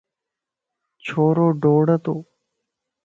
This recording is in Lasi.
ڇورو ڊوڙتو